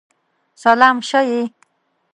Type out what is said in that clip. سلام شه یی!